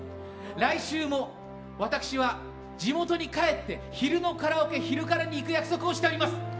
来週も私は地元に帰って昼のカラオケ、昼カラに行く約束をしております。